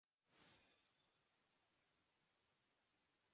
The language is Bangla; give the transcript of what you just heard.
স্প্যানিশ ভাষা একই রকম।